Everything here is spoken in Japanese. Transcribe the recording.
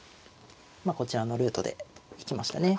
まあこちらのルートで行きましたね。